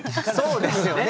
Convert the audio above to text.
そうですよね。